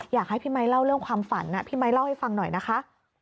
อยากให้พี่ไมค์เล่าเรื่องความฝันพี่ไมค์เล่าให้ฟังหน่อยนะคะ